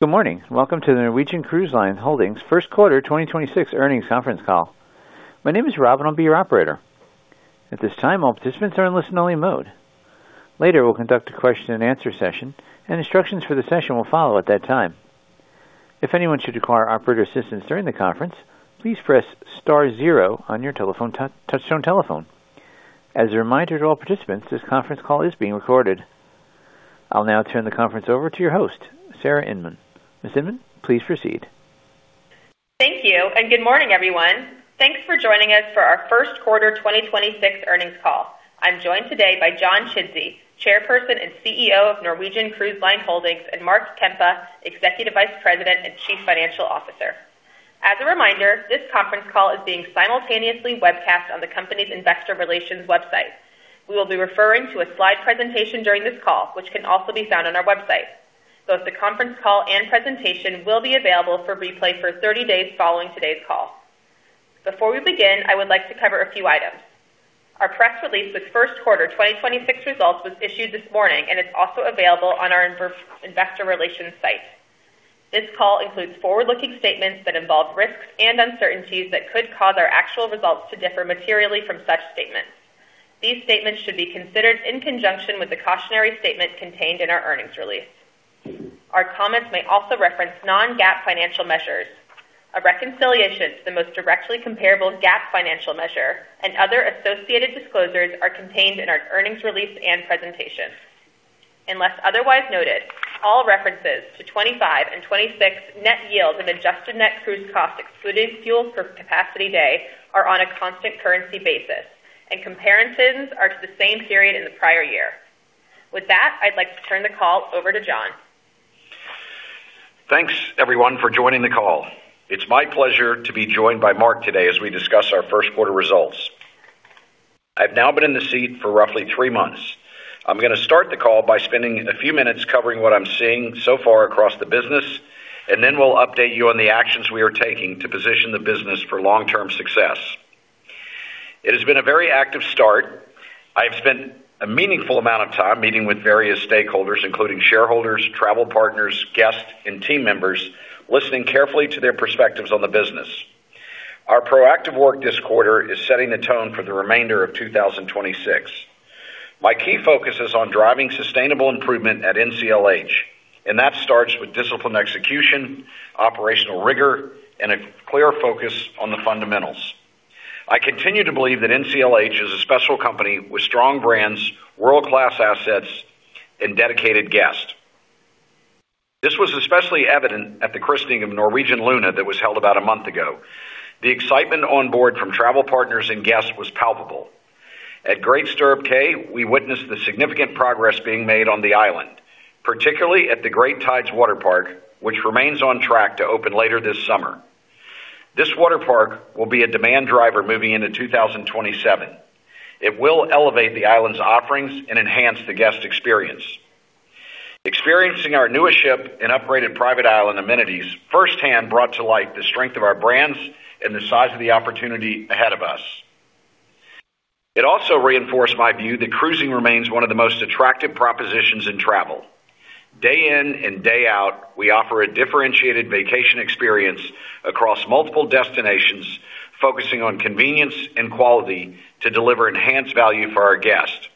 Good morning. Welcome to the Norwegian Cruise Line Holdings first quarter 2026 earnings conference call. My name is Robin. I'll be your operator. At this time, all participants are in listen-only mode. Later, we'll conduct a question-and-answer session, and instructions for the session will follow at that time. If anyone should require operator assistance during the conference, please press star 0 on your touchtone telephone. As a reminder to all participants, this conference call is being recorded. I'll now turn the conference over to your host, Sarah Inmon. Ms. Inmon, please proceed. Thank you. Good morning, everyone. Thanks for joining us for our first quarter 2026 earnings call. I'm joined today by John Chidsey, Chairperson and CEO of Norwegian Cruise Line Holdings, and Mark Kempa, Executive Vice President and Chief Financial Officer. As a reminder, this conference call is being simultaneously webcast on the company's investor relations website. We will be referring to a slide presentation during this call, which can also be found on our website. Both the conference call and presentation will be available for replay for 30 days following today's call. Before we begin, I would like to cover a few items. Our press release with first quarter 2026 results was issued this morning and is also available on our investor relations site. This call includes forward-looking statements that involve risks and uncertainties that could cause our actual results to differ materially from such statements. These statements should be considered in conjunction with the cautionary statement contained in our earnings release. Our comments may also reference non-GAAP financial measures. A reconciliation to the most directly comparable GAAP financial measure and other associated disclosures are contained in our earnings release and presentation. Unless otherwise noted, all references to 2025 and 2026 Net Yields and Adjusted Net Cruise Costs Excluding Fuel per Capacity Day are on a constant currency basis and comparisons are to the same period in the prior year. With that, I'd like to turn the call over to John. Thanks, everyone, for joining the call. It's my pleasure to be joined by Mark today as we discuss our first quarter results. I've now been in the seat for roughly three months. I'm going to start the call by spending a few minutes covering what I'm seeing so far across the business, and then we'll update you on the actions we are taking to position the business for long-term success. It has been a very active start. I've spent a meaningful amount of time meeting with various stakeholders, including shareholders, travel partners, guests, and team members, listening carefully to their perspectives on the business. Our proactive work this quarter is setting the tone for the remainder of 2026. My key focus is on driving sustainable improvement at NCLH, and that starts with disciplined execution, operational rigor, and a clear focus on the fundamentals. I continue to believe that NCLH is a special company with strong brands, world-class assets, and dedicated guests. This was especially evident at the christening of Norwegian Luna that was held about a month ago. The excitement on board from travel partners and guests was palpable. At Great Stirrup Cay, we witnessed the significant progress being made on the island, particularly at the Great Tides Water Park, which remains on track to open later this summer. This water park will be a demand driver moving into 2027. It will elevate the island's offerings and enhance the guest experience. Experiencing our newest ship and upgraded private island amenities firsthand brought to light the strength of our brands and the size of the opportunity ahead of us. It also reinforced my view that cruising remains one of the most attractive propositions in travel. Day in and day out, we offer a differentiated vacation experience across multiple destinations, focusing on convenience and quality to deliver enhanced value for our guests.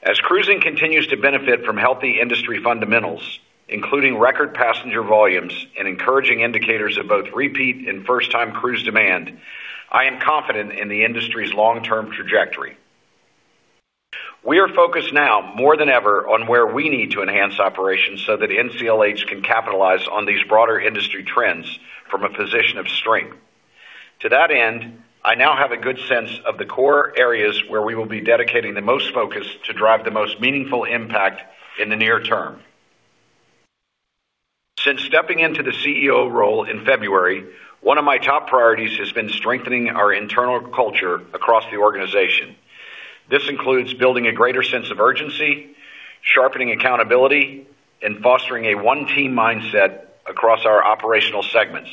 As cruising continues to benefit from healthy industry fundamentals, including record passenger volumes and encouraging indicators of both repeat and first-time cruise demand, I am confident in the industry's long-term trajectory. We are focused now more than ever on where we need to enhance operations so that NCLH can capitalize on these broader industry trends from a position of strength. To that end, I now have a good sense of the core areas where we will be dedicating the most focus to drive the most meaningful impact in the near term. Since stepping into the CEO role in February, one of my top priorities has been strengthening our internal culture across the organization. This includes building a greater sense of urgency, sharpening accountability, and fostering a one-team mindset across our operational segments.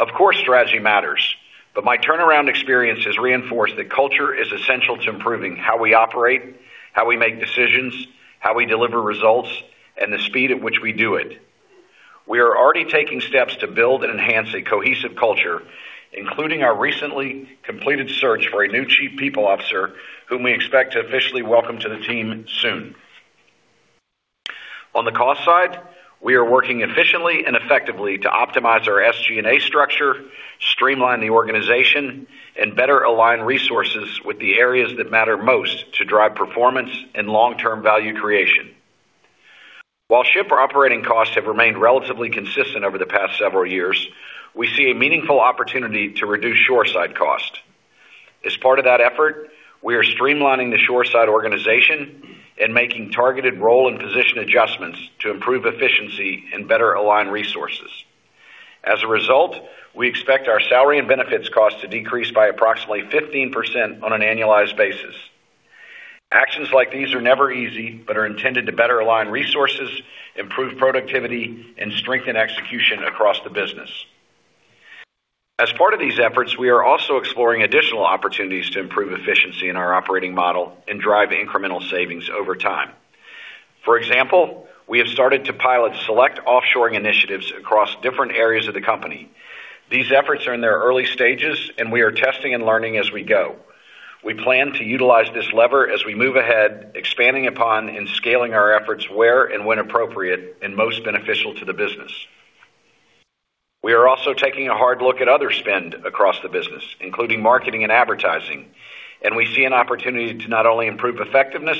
Of course, strategy matters, but my turnaround experience has reinforced that culture is essential to improving how we operate, how we make decisions, how we deliver results, and the speed at which we do it. We are already taking steps to build and enhance a cohesive culture, including our recently completed search for a new chief people officer, whom we expect to officially welcome to the team soon. On the cost side, we are working efficiently and effectively to optimize our SG&A structure, streamline the organization, and better align resources with the areas that matter most to drive performance and long-term value creation. While ship operating costs have remained relatively consistent over the past several years, we see a meaningful opportunity to reduce shoreside costs. As part of that effort, we are streamlining the shoreside organization and making targeted role and position adjustments to improve efficiency and better align resources. As a result, we expect our salary and benefits costs to decrease by approximately 15% on an annualized basis. Actions like these are never easy but are intended to better align resources, improve productivity, and strengthen execution across the business. As part of these efforts, we are also exploring additional opportunities to improve efficiency in our operating model and drive incremental savings over time. For example, we have started to pilot select offshoring initiatives across different areas of the company. These efforts are in their early stages, and we are testing and learning as we go. We plan to utilize this lever as we move ahead, expanding upon and scaling our efforts where and when appropriate and most beneficial to the business. We are also taking a hard look at other spend across the business, including marketing and advertising, and we see an opportunity to not only improve effectiveness,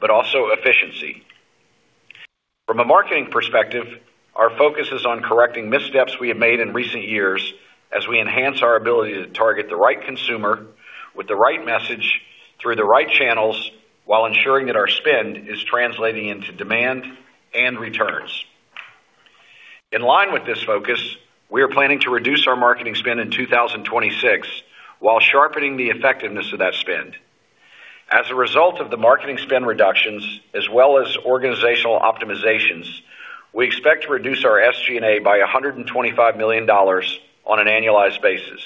but also efficiency. From a marketing perspective, our focus is on correcting missteps we have made in recent years as we enhance our ability to target the right consumer with the right message through the right channels while ensuring that our spend is translating into demand and returns. In line with this focus, we are planning to reduce our marketing spend in 2026 while sharpening the effectiveness of that spend. As a result of the marketing spend reductions as well as organizational optimizations, we expect to reduce our SG&A by $125 million on an annualized basis.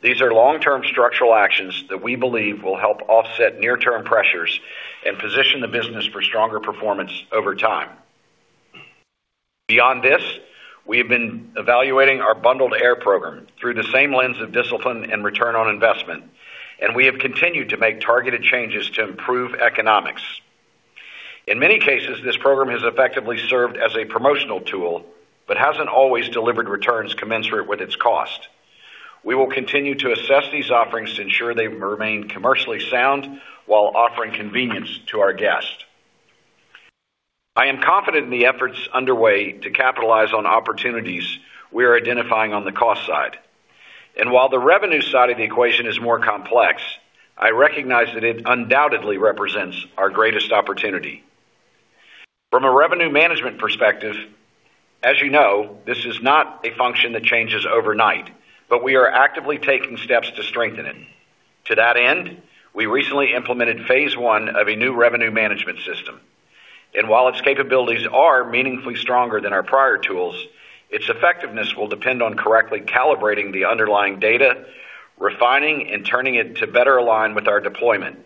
These are long-term structural actions that we believe will help offset near-term pressures and position the business for stronger performance over time. Beyond this, we have been evaluating our bundled air program through the same lens of discipline and return on investment, and we have continued to make targeted changes to improve economics. In many cases, this program has effectively served as a promotional tool but hasn't always delivered returns commensurate with its cost. We will continue to assess these offerings to ensure they remain commercially sound while offering convenience to our guests. I am confident in the efforts underway to capitalize on opportunities we are identifying on the cost side. While the revenue side of the equation is more complex, I recognize that it undoubtedly represents our greatest opportunity. From a revenue management perspective, as you know, this is not a function that changes overnight, but we are actively taking steps to strengthen it. While its capabilities are meaningfully stronger than our prior tools, its effectiveness will depend on correctly calibrating the underlying data, refining and turning it to better align with our deployment.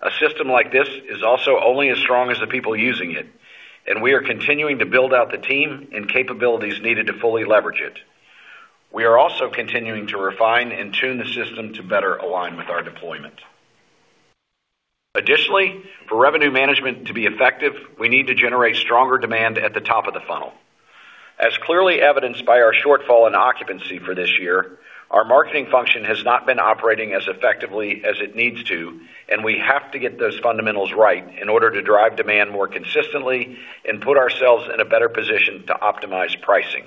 A system like this is also only as strong as the people using it, and we are continuing to build out the team and capabilities needed to fully leverage it. We are also continuing to refine and tune the system to better align with our deployment. Additionally, for revenue management to be effective, we need to generate stronger demand at the top of the funnel. As clearly evidenced by our shortfall in occupancy for this year, our marketing function has not been operating as effectively as it needs to, and we have to get those fundamentals right in order to drive demand more consistently and put ourselves in a better position to optimize pricing.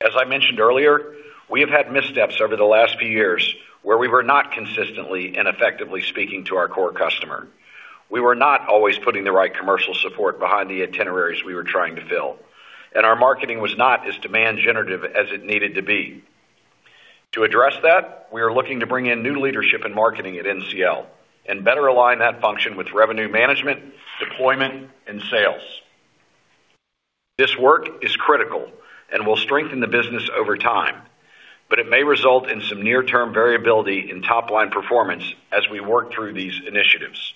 As I mentioned earlier, we have had missteps over the last few years where we were not consistently and effectively speaking to our core customer. We were not always putting the right commercial support behind the itineraries we were trying to fill, and our marketing was not as demand generative as it needed to be. To address that, we are looking to bring in new leadership in marketing at NCL and better align that function with revenue management, deployment, and sales. This work is critical and will strengthen the business over time, but it may result in some near-term variability in top-line performance as we work through these initiatives.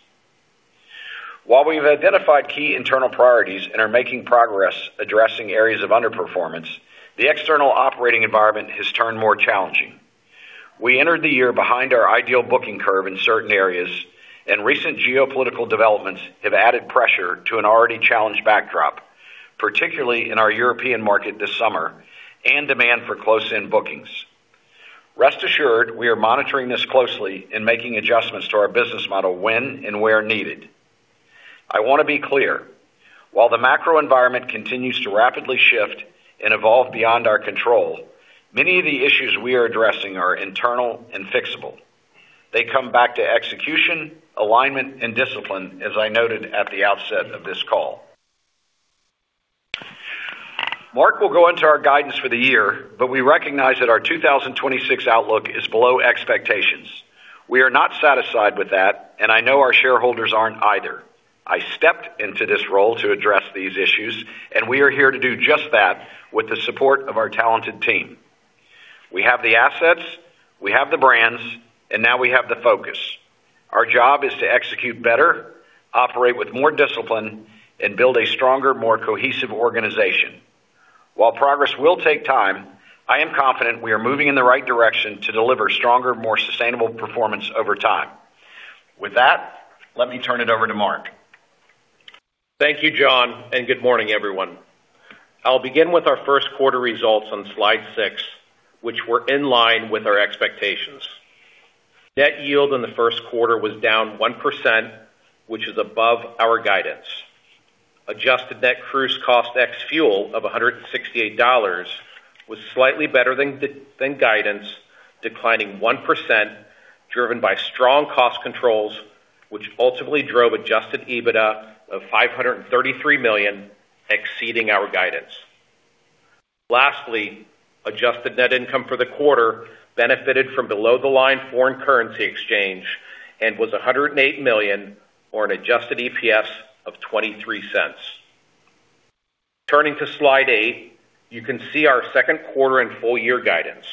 While we've identified key internal priorities and are making progress addressing areas of underperformance, the external operating environment has turned more challenging. We entered the year behind our ideal booking curve in certain areas. Recent geopolitical developments have added pressure to an already challenged backdrop, particularly in our European market this summer and demand for close-end bookings. Rest assured, we are monitoring this closely and making adjustments to our business model when and where needed. I want to be clear, while the macro environment continues to rapidly shift and evolve beyond our control, many of the issues we are addressing are internal and fixable. They come back to execution, alignment, and discipline, as I noted at the outset of this call. Mark will go into our guidance for the year, but we recognize that our 2026 outlook is below expectations. We are not satisfied with that, and I know our shareholders aren't either. I stepped into this role to address these issues, and we are here to do just that with the support of our talented team. We have the assets, we have the brands, and now we have the focus. Our job is to execute better, operate with more discipline, and build a stronger, more cohesive organization. While progress will take time, I am confident we are moving in the right direction to deliver stronger, more sustainable performance over time. With that, let me turn it over to Mark. Thank you, John, and good morning, everyone. I'll begin with our first quarter results on slide six, which were in line with our expectations. Net Yield in the first quarter was down 1%, which is above our guidance. Adjusted Net Cruise Cost Ex Fuel of $168 was slightly better than guidance, declining 1%, driven by strong cost controls, which ultimately drove Adjusted EBITDA of $533 million, exceeding our guidance. Lastly, Adjusted net income for the quarter benefited from below-the-line foreign currency exchange and was $108 million, or an Adjusted EPS of $0.23. Turning to slide eight, you can see our second quarter and full year guidance.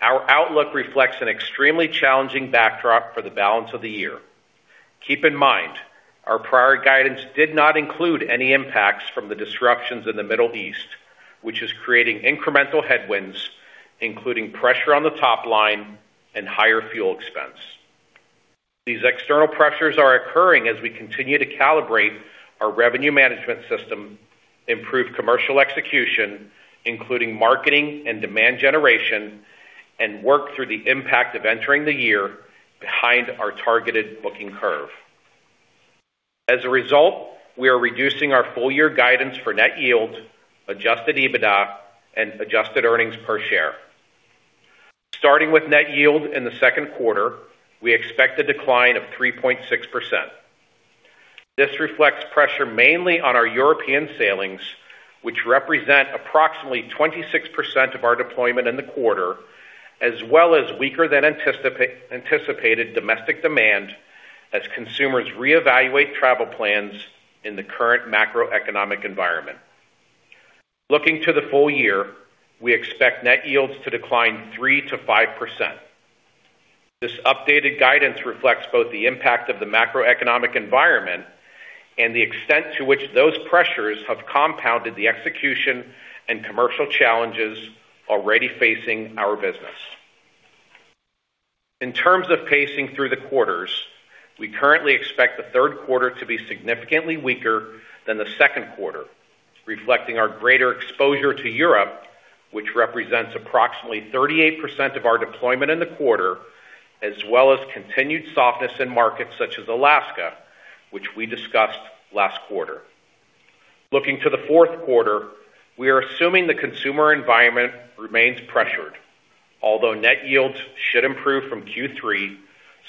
Our outlook reflects an extremely challenging backdrop for the balance of the year. Keep in mind, our prior guidance did not include any impacts from the disruptions in the Middle East, which is creating incremental headwinds, including pressure on the top line and higher fuel expense. These external pressures are occurring as we continue to calibrate our revenue management system, improve commercial execution, including marketing and demand generation, and work through the impact of entering the year behind our targeted booking curve. As a result, we are reducing our full-year guidance for Net Yields, Adjusted EBITDA, and adjusted earnings per share. Starting with Net Yield in the second quarter, we expect a decline of 3.6%. This reflects pressure mainly on our European sailings, which represent approximately 26% of our deployment in the quarter, as well as weaker than anticipated domestic demand as consumers reevaluate travel plans in the current macroeconomic environment. Looking to the full year, we expect net yields to decline 3%-5%. This updated guidance reflects both the impact of the macroeconomic environment and the extent to which those pressures have compounded the execution and commercial challenges already facing our business. In terms of pacing through the quarters, we currently expect the third quarter to be significantly weaker than the second quarter, reflecting our greater exposure to Europe, which represents approximately 38% of our deployment in the quarter, as well as continued softness in markets such as Alaska, which we discussed last quarter. Looking to the fourth quarter, we are assuming the consumer environment remains pressured, although net yields should improve from Q3,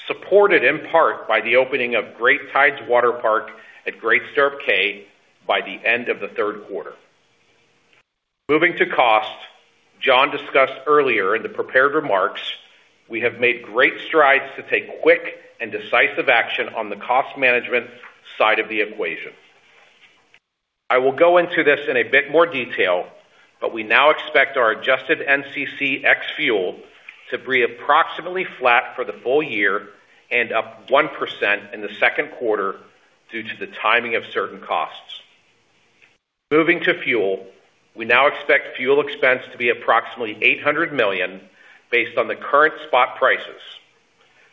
supported in part by the opening of Great Tides Water Park at Great Stirrup Cay by the end of the third quarter. Moving to cost, John discussed earlier in the prepared remarks, we have made great strides to take quick and decisive action on the cost management side of the equation. I will go into this in a bit more detail, but we now expect our Adjusted NCC ex-fuel to be approximately flat for the full year and up 1% in the second quarter due to the timing of certain costs. Moving to fuel, we now expect fuel expense to be approximately $800 million based on the current spot prices.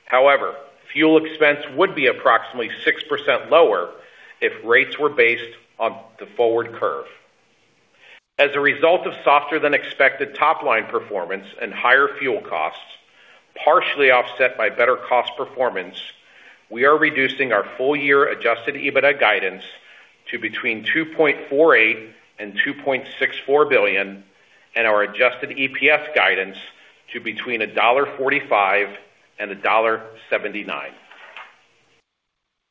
However, fuel expense would be approximately 6% lower if rates were based on the forward curve. As a result of softer-than-expected top-line performance and higher fuel costs, partially offset by better cost performance, we are reducing our full-year adjusted EBITDA guidance to between $2.48 billion and $2.64 billion and our adjusted EPS guidance to between $1.45 and $1.79.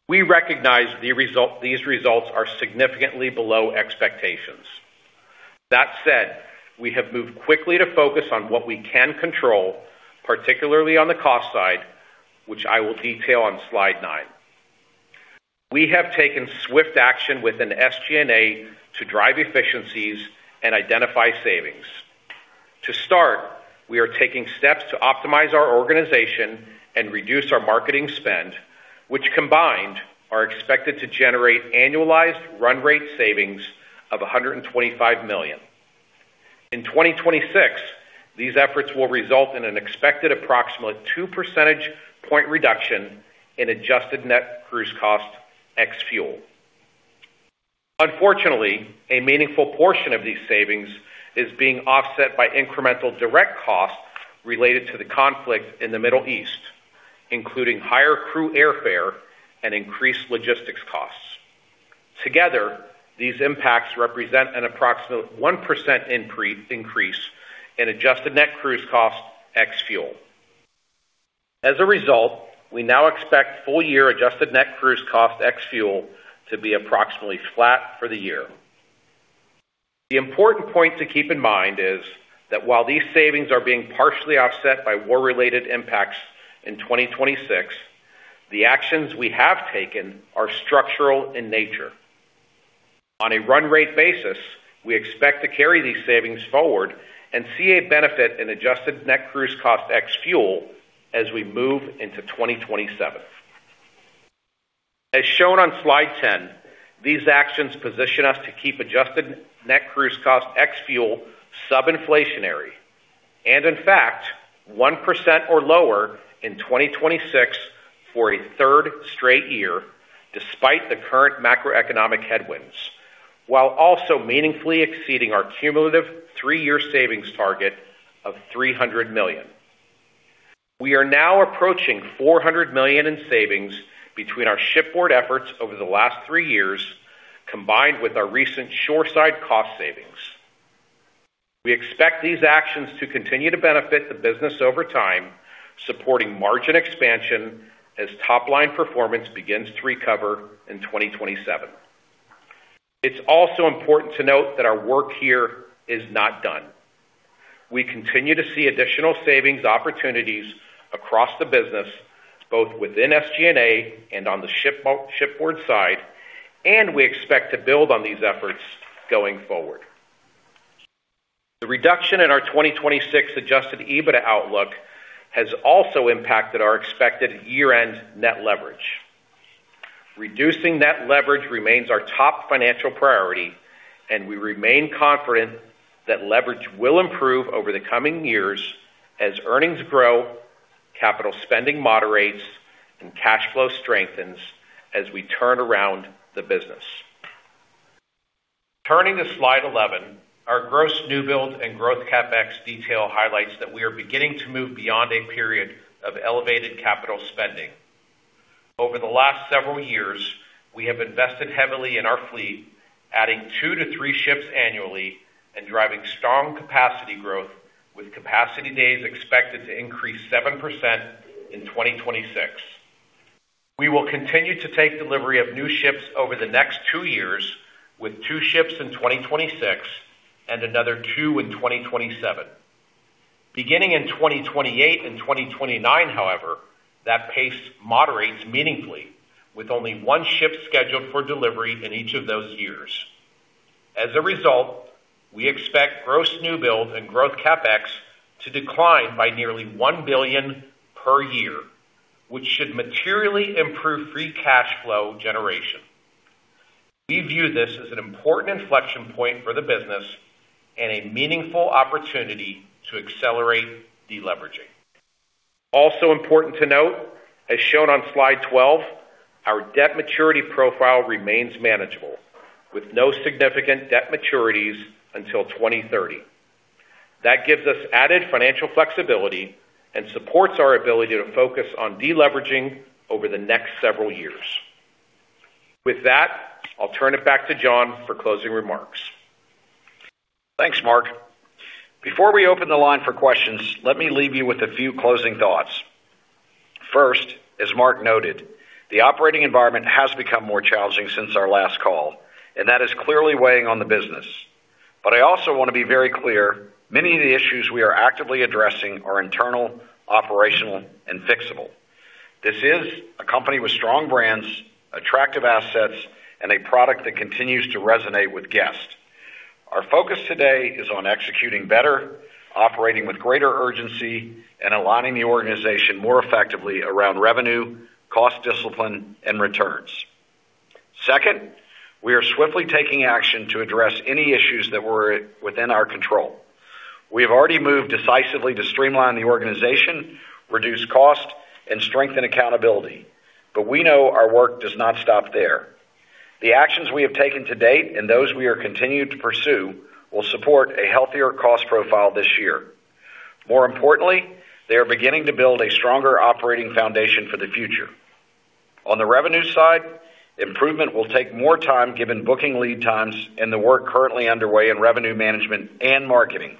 We recognize these results are significantly below expectations. That said, we have moved quickly to focus on what we can control, particularly on the cost side, which I will detail on slide nine. We have taken swift action within SG&A to drive efficiencies and identify savings. To start, we are taking steps to optimize our organization and reduce our marketing spend, which combined are expected to generate annualized run rate savings of $125 million. In 2026, these efforts will result in an expected approximately two percentage point reduction in Adjusted Net Cruise Cost ex-fuel. Unfortunately, a meaningful portion of these savings is being offset by incremental direct costs related to the conflict in the Middle East, including higher crew airfare and increased logistics costs. Together, these impacts represent an approximate 1% increase in Adjusted Net Cruise Cost ex-fuel. As a result, we now expect full-year Adjusted Net Cruise Cost ex-fuel to be approximately flat for the year. The important point to keep in mind is that while these savings are being partially offset by war-related impacts in 2026, the actions we have taken are structural in nature. On a run rate basis, we expect to carry these savings forward and see a benefit in Adjusted Net Cruise Cost ex-fuel as we move into 2027. As shown on slide 10, these actions position us to keep Adjusted Net Cruise Cost ex-fuel sub-inflationary, and in fact, 1% or lower in 2026 for a third straight year despite the current macroeconomic headwinds, while also meaningfully exceeding our cumulative three-year savings target of $300 million. We are now approaching $400 million in savings between our shipboard efforts over the last three years, combined with our recent shoreside cost savings. We expect these actions to continue to benefit the business over time, supporting margin expansion as top-line performance begins to recover in 2027. It's also important to note that our work here is not done. We continue to see additional savings opportunities across the business, both within SG&A and on the shipboard side, and we expect to build on these efforts going forward. The reduction in our 2026 adjusted EBITDA outlook has also impacted our expected year-end net leverage. Reducing net leverage remains our top financial priority, and we remain confident that leverage will improve over the coming years as earnings grow, capital spending moderates, and cash flow strengthens as we turn around the business. Turning to slide 11, our gross new build and growth CapEx detail highlights that we are beginning to move beyond a period of elevated capital spending. Over the last several years, we have invested heavily in our fleet, adding 2-3 ships annually and driving strong capacity growth, with capacity days expected to increase 7% in 2026. We will continue to take delivery of new ships over the next two years, with two ships in 2026 and another two in 2027. Beginning in 2028 and 2029, however, that pace moderates meaningfully, with only one ship scheduled for delivery in each of those years. As a result, we expect gross new build and growth CapEx to decline by nearly $1 billion per year, which should materially improve free cash flow generation. We view this as an important inflection point for the business and a meaningful opportunity to accelerate deleveraging. Also important to note, as shown on slide 12, our debt maturity profile remains manageable, with no significant debt maturities until 2030. That gives us added financial flexibility and supports our ability to focus on deleveraging over the next several years. With that, I'll turn it back to John for closing remarks. Thanks, Mark. Before we open the line for questions, let me leave you with a few closing thoughts. First, as Mark noted, the operating environment has become more challenging since our last call, and that is clearly weighing on the business. I also want to be very clear many of the issues we are actively addressing are internal, operational, and fixable. This is a company with strong brands, attractive assets, and a product that continues to resonate with guests. Our focus today is on executing better, operating with greater urgency, and aligning the organization more effectively around revenue, cost discipline, and returns. Second, we are swiftly taking action to address any issues that were within our control. We have already moved decisively to streamline the organization, reduce cost, and strengthen accountability, but we know our work does not stop there. The actions we have taken to date and those we are continuing to pursue will support a healthier cost profile this year. More importantly, they are beginning to build a stronger operating foundation for the future. On the revenue side, improvement will take more time given booking lead times and the work currently underway in revenue management and marketing.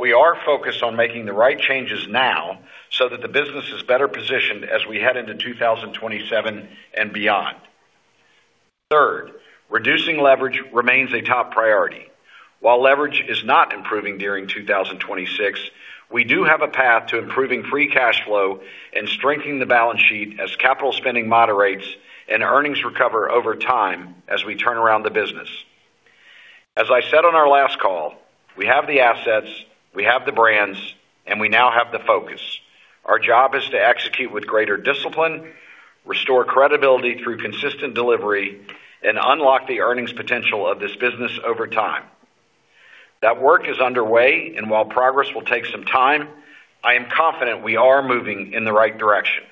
We are focused on making the right changes now so that the business is better positioned as we head into 2027 and beyond. Third, reducing leverage remains a top priority. While leverage is not improving during 2026, we do have a path to improving free cash flow and strengthening the balance sheet as capital spending moderates and earnings recover over time as we turn around the business. As I said on our last call, we have the assets, we have the brands, and we now have the focus. Our job is to execute with greater discipline, restore credibility through consistent delivery, and unlock the earnings potential of this business over time. That work is underway, and while progress will take some time, I am confident we are moving in the right direction.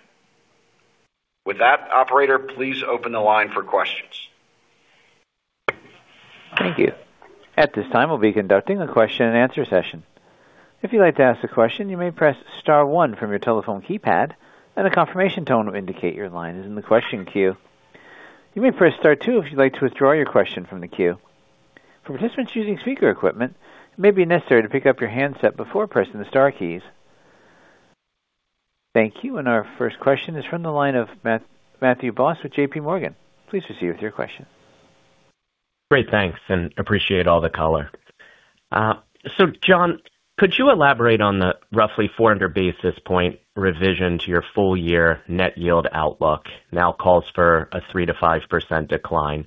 With that, operator, please open the line for questions. Thank you. At this time, we'll be conducting a question and answer session. If you would like to ask a question press star one from your telephone keypad and a confirmation tone will indicate your line is the the question queue. Thank you. Our first question is from the line of Matthew Boss with J.P. Morgan. Please proceed with your question. Great. Thanks, and appreciate all the color. John, could you elaborate on the roughly 400 basis point revision to your full year Net Yield outlook now calls for a 3%-5% decline?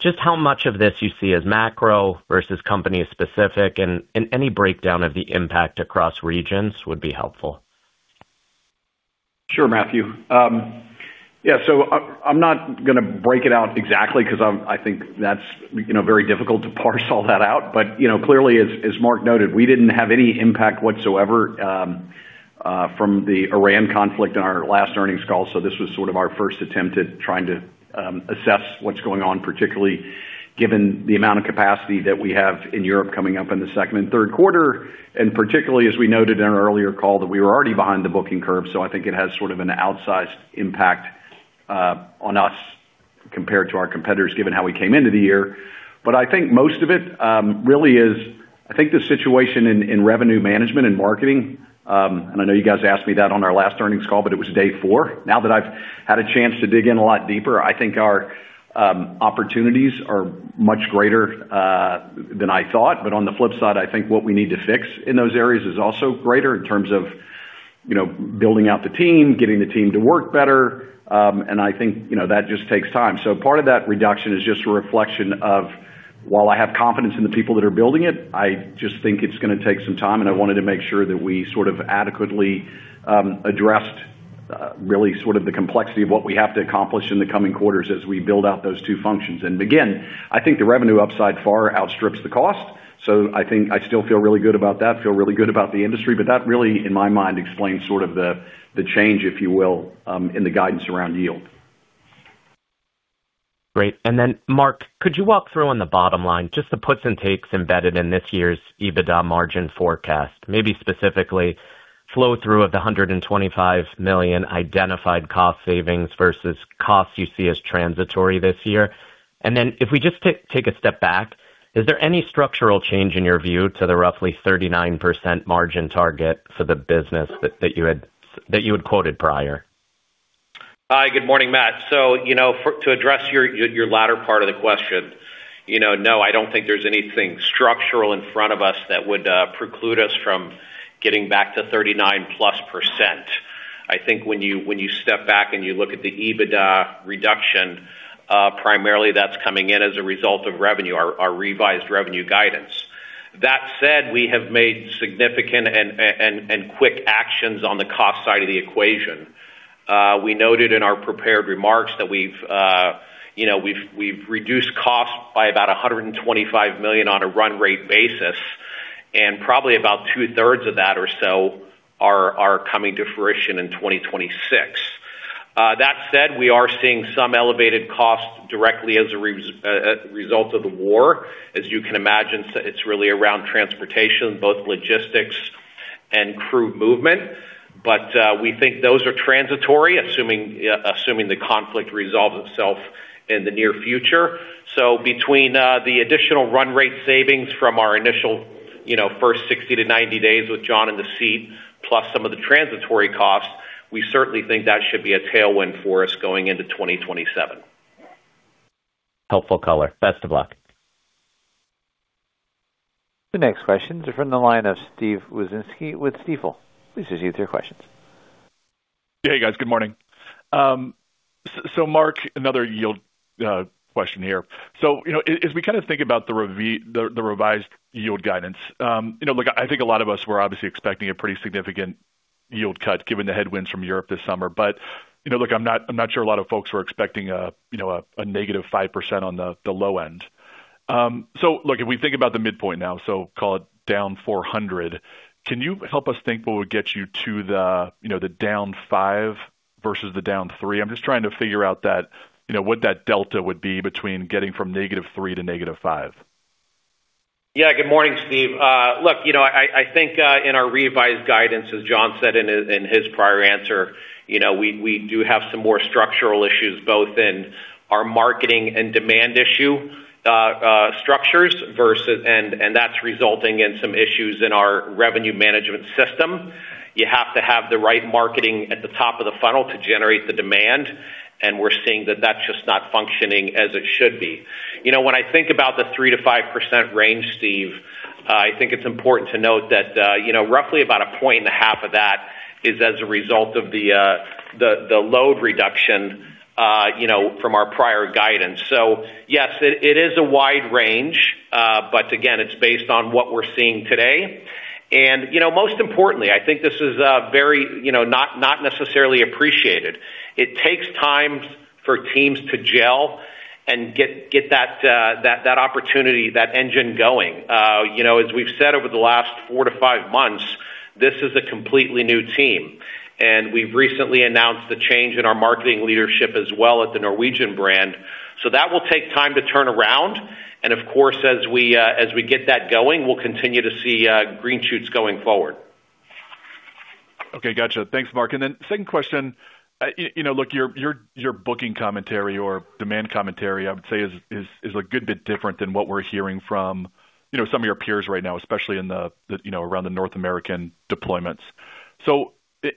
Just how much of this you see as macro versus company specific, and any breakdown of the impact across regions would be helpful. Sure, Matthew. I'm not gonna break it out exactly because I think that's, you know, very difficult to parse all that out. You know, clearly, as Mark noted, we didn't have any impact whatsoever from the Iran conflict on our last earnings call. This was sort of our first attempt at trying to assess what's going on, particularly given the amount of capacity that we have in Europe coming up in the second and third quarter, and particularly, as we noted in our earlier call, that we were already behind the booking curve. I think it has sort of an outsized impact on us compared to our competitors, given how we came into the year. I think most of it really is, I think, the situation in revenue management and marketing. I know you guys asked me that on our last earnings call, but it was day four. Now that I've had a chance to dig in a lot deeper, I think our opportunities are much greater than I thought. On the flip side, I think what we need to fix in those areas is also greater in terms of you know, building out the team, getting the team to work better. I think, you know, that just takes time. Part of that reduction is just a reflection of while I have confidence in the people that are building it, I just think it's gonna take some time, and I wanted to make sure that we sort of adequately addressed really sort of the complexity of what we have to accomplish in the coming quarters as we build out those two functions. Again, I think the revenue upside far outstrips the cost. I think I still feel really good about that, feel really good about the industry, but that really, in my mind, explains sort of the change, if you will, in the guidance around yield. Great. Then Mark, could you walk through on the bottom line just the puts and takes embedded in this year's EBITDA margin forecast? Maybe specifically flow through of the $125 million identified cost savings versus costs you see as transitory this year. Then if we just take a step back, is there any structural change in your view to the roughly 39% margin target for the business that you had quoted prior? Hi, good morning, Matt. You know, to address your latter part of the question, you know, no, I don't think there's anything structural in front of us that would preclude us from getting back to 39+%. I think when you, when you step back and you look at the EBITDA reduction, primarily that's coming in as a result of revenue, our revised revenue guidance. That said, we have made significant and quick actions on the cost side of the equation. We noted in our prepared remarks that we've, you know, we've reduced costs by about $125 million on a run rate basis, and probably about two-thirds of that or so are coming to fruition in 2026. That said, we are seeing some elevated costs directly as a result of the war. As you can imagine, it's really around transportation, both logistics and crew movement. We think those are transitory, assuming the conflict resolves itself in the near future. Between the additional run rate savings from our initial, you know, first 60-90 days with John in the seat, plus some of the transitory costs, we certainly think that should be a tailwind for us going into 2027. Helpful color. Best of luck. The next question is from the line of Steven Wieczynski with Stifel. Please proceed with your questions. Hey, guys. Good morning. Mark, another yield question here. You know, as we kind of think about the revised yield guidance, you know, look, I think a lot of us were obviously expecting a pretty significant yield cut given the headwinds from Europe this summer. You know, look, I'm not, I'm not sure a lot of folks were expecting a, you know, a negative 5% on the low end. Look, if we think about the midpoint now, call it down 400, can you help us think what would get you to the, you know, the down five versus the down three? I'm just trying to figure out that, you know, what that delta would be between getting from -3 to -5. Yeah. Good morning, Steve. Look, you know, I think in our revised guidance, as John said in his prior answer, you know, we do have some more structural issues both in our marketing and demand issue structures, and that's resulting in some issues in our revenue management system. You have to have the right marketing at the top of the funnel to generate the demand, and we're seeing that that's just not functioning as it should be. You know, when I think about the 3%-5% range, Steve, I think it's important to note that, you know, roughly about 1.5 points of that is as a result of the load reduction, you know, from our prior guidance. Yes, it is a wide range, but again, it's based on what we're seeing today. You know, most importantly, I think this is very, you know, not necessarily appreciated. It takes time for teams to gel and get that opportunity, that engine going. You know, as we've said over the last four to five months, this is a completely new team, and we've recently announced the change in our marketing leadership as well at the Norwegian brand. That will take time to turn around. Of course, as we get that going, we'll continue to see green shoots going forward. Okay. Gotcha. Thanks, Mark. Second question. You know, look, your booking commentary or demand commentary, I would say is a good bit different than what we're hearing from, you know, some of your peers right now, especially in the, you know, around the North American deployments.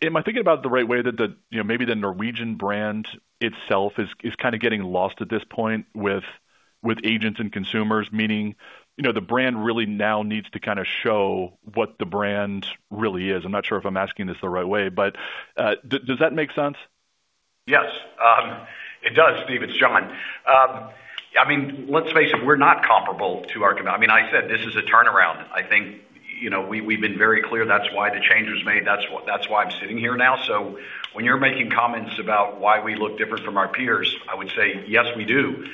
Am I thinking about the right way that the, you know, maybe the Norwegian brand itself is kind of getting lost at this point with agents and consumers? Meaning, you know, the brand really now needs to kind of show what the brand really is. I'm not sure if I'm asking this the right way, does that make sense? Yes, it does, Steve. It's John. I mean, let's face it, we're not comparable to our com... I mean, I said this is a turnaround. I think, you know, we've been very clear that's why the change was made. That's why I'm sitting here now. When you're making comments about why we look different from our peers, I would say, yes, we do.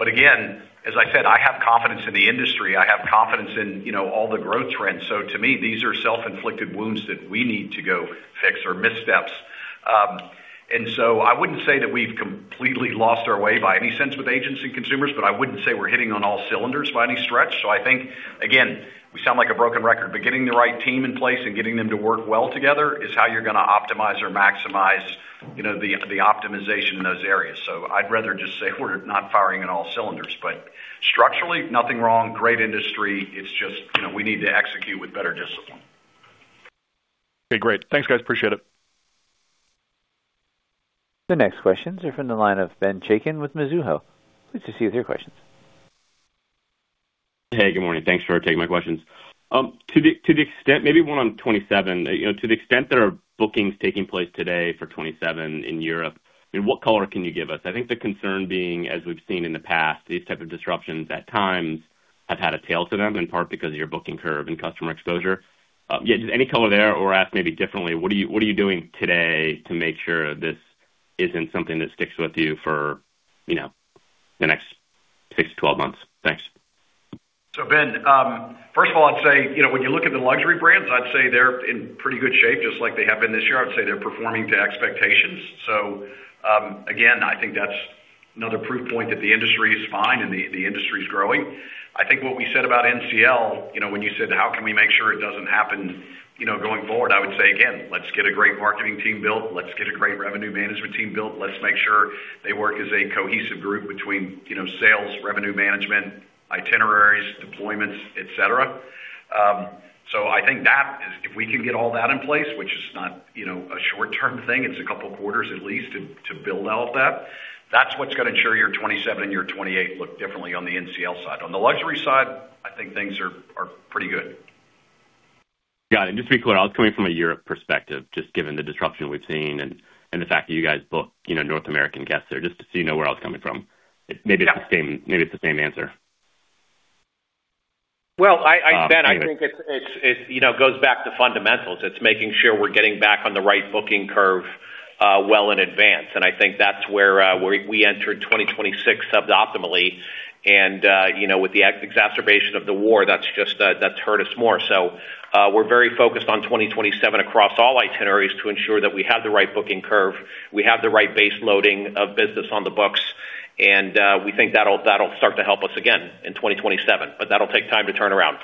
Again, as I said, I have confidence in the industry. I have confidence in, you know, all the growth trends. To me, these are self-inflicted wounds that we need to go fix or missteps. I wouldn't say that we've completely lost our way by any sense with agents and consumers, but I wouldn't say we're hitting on all cylinders by any stretch. I think, again, we sound like a broken record, but getting the right team in place and getting them to work well together is how you're gonna optimize or maximize, you know, the optimization in those areas. I'd rather just say we're not firing on all cylinders, but structurally, nothing wrong. Great industry. It's just, you know, we need to execute with better discipline. Okay. Great. Thanks, guys. Appreciate it. The next questions are from the line of Ben Chaiken with Mizuho. Please proceed with your questions. Hey, good morning. Thanks for taking my questions. To the extent, maybe one on 2027. You know, to the extent there are bookings taking place today for 2027 in Europe, I mean, what color can you give us? I think the concern being, as we've seen in the past, these type of disruptions at times have had a tail to them, in part because of your booking curve and customer exposure. Yeah, just any color there, or asked maybe differently, what are you doing today to make sure this isn't something that sticks with you for, you know, the next 6-12 months? Thanks. Ben, first of all, I'd say, you know, when you look at the luxury brands, I'd say they're in pretty good shape, just like they have been this year. I'd say they're performing to expectations. Again, I think that's another proof point that the industry is fine and the industry is growing. I think what we said about NCL, you know, when you said, how can we make sure it doesn't happen, you know, going forward? I would say, again, let's get a great marketing team built. Let's get a great revenue management team built. Let's make sure they work as a cohesive group between, you know, sales, revenue management, itineraries, deployments, et cetera. I think that is if we can get all that in place, which is not, you know, a short-term thing, it's a couple quarters at least to build all of that. That's what's gonna ensure your 2027 and your 2028 look differently on the NCL side. On the luxury side, I think things are pretty good. Got it. Just to be clear, I was coming from a Europe perspective, just given the disruption we've seen and the fact that you guys book, you know, North American guests there, just so you know where I was coming from. Maybe it's the same, maybe it's the same answer. Well. Anyways.... Ben, I think it's, you know, goes back to fundamentals. It's making sure we're getting back on the right booking curve, well in advance. I think that's where we entered 2026 suboptimally. You know, with the exacerbation of the war, that's just that's hurt us more. We're very focused on 2027 across all itineraries to ensure that we have the right booking curve, we have the right base loading of business on the books, and we think that'll start to help us again in 2027, but that'll take time to turn around.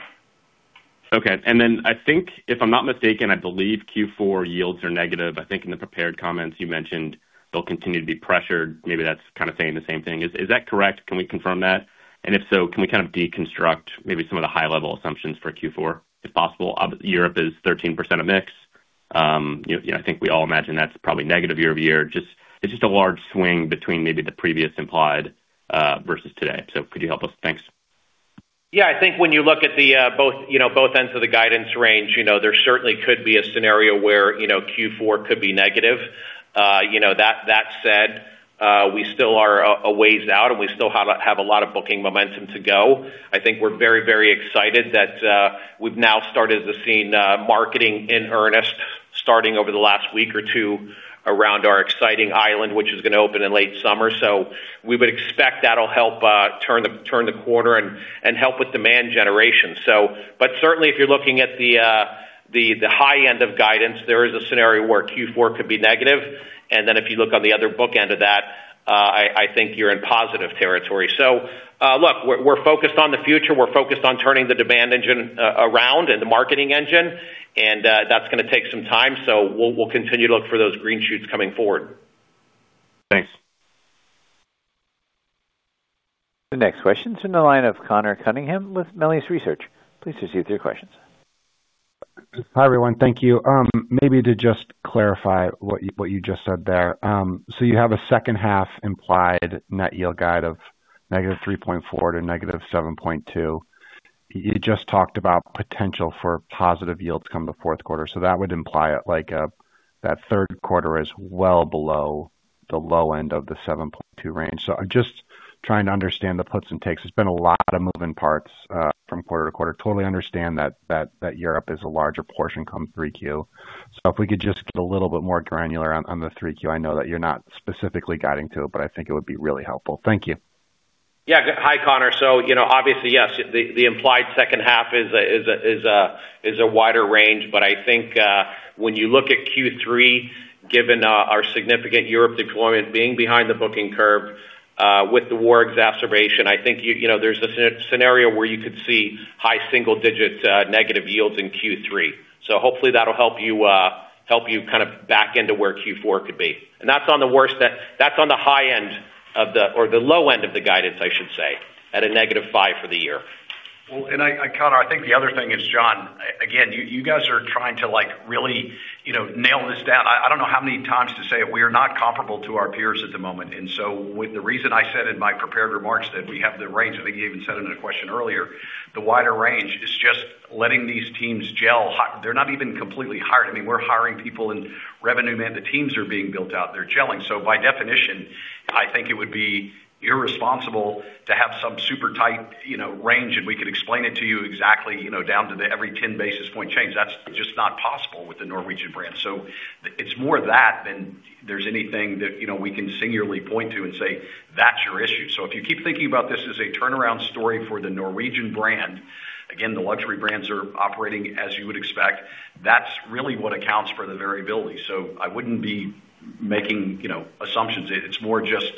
Okay. Then I think, if I'm not mistaken, I believe Q4 yields are negative. I think in the prepared comments you mentioned they'll continue to be pressured. Maybe that's kind of saying the same thing. Is that correct? Can we confirm that? If so, can we kind of deconstruct maybe some of the high level assumptions for Q4 if possible? Europe is 13% of mix. You know, I think we all imagine that's probably negative year-over-year. It's just a large swing between maybe the previous implied versus today. Could you help us? Thanks. Yeah. I think when you look at the, you know, both ends of the guidance range, you know, there certainly could be a scenario where, you know, Q4 could be negative. You know, that said, we still are a ways out, and we still have a lot of booking momentum to go. I think we're very, very excited that we've now started to seen marketing in earnest starting over the last week or two around our exciting island, which is gonna open in late summer. We would expect that'll help turn the quarter and help with demand generation. But certainly, if you're looking at the high end of guidance, there is a scenario where Q4 could be negative. If you look on the other book end of that, I think you're in positive territory. Look, we're focused on the future. We're focused on turning the demand engine around and the marketing engine, and that's gonna take some time. We'll continue to look for those green shoots coming forward. Thanks. The next question is in the line of Conor Cunningham with Melius Research. Please proceed with your questions. Hi, everyone. Thank you. Maybe to just clarify what you just said there. You have a second half implied Net Yield guide of -3.4% to -7.2%. You just talked about potential for positive yields come the fourth quarter. That would imply like that third quarter is well below the low end of the 7.2% range. I'm just trying to understand the puts and takes. There's been a lot of moving parts from quarter to quarter. Totally understand that Europe is a larger portion come 3Q. If we could just get a little bit more granular on the 3Q. I know that you're not specifically guiding to it, but I think it would be really helpful. Thank you. Hi, Conor. You know, obviously, yes, the implied second half is a wider range. I think, when you look at Q3, given our significant Europe deployment being behind the booking curve, with the war exacerbation, I think you know, there's a scenario where you could see high single digit negative yields in Q3. Hopefully that'll help you kind of back into where Q4 could be. That's on the high end of the or the low end of the guidance, I should say, at a -5% for the year. I, Conor, I think the other thing is, John, again, you guys are trying to like, really, you know, nail this down. I don't know how many times to say it. We are not comparable to our peers at the moment. With the reason I said in my prepared remarks that we have the range, I think you even said it in a question earlier, the wider range is just letting these teams gel. They're not even completely hired. I mean, we're hiring people and revenue man, the teams are being built out. They're gelling. By definition, I think it would be irresponsible to have some super tight, you know, range, and we could explain it to you exactly, you know, down to the every 10 basis point change. That's just not possible with the Norwegian brand. It's more that than there's anything that, you know, we can singularly point to and say, "That's your issue." If you keep thinking about this as a turnaround story for the Norwegian brand, again, the luxury brands are operating as you would expect. That's really what accounts for the variability. I wouldn't be making, you know, assumptions. It's more just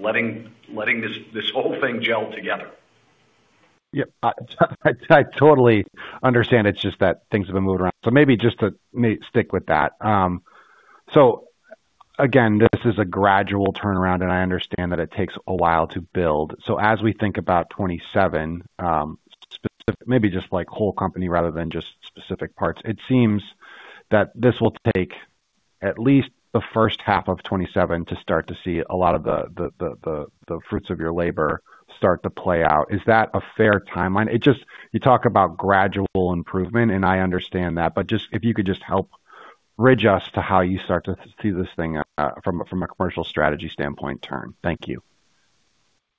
letting this whole thing gel together. Yeah. I totally understand. It's just that things have been moving around. Maybe just to stick with that. Again, this is a gradual turnaround, and I understand that it takes a while to build. As we think about 2027, maybe just like whole company rather than just specific parts, it seems that this will take at least the first half of 2027 to start to see a lot of the fruits of your labor start to play out. Is that a fair timeline? You talk about gradual improvement, and I understand that, but if you could just help bridge us to how you start to see this thing from a commercial strategy standpoint turn. Thank you.